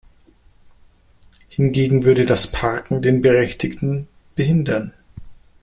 Hingegen würde das Parken den Berechtigten behindern.